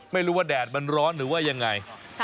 ไม่รู้ว่าแดดมันร้อนหรือว่ายังไง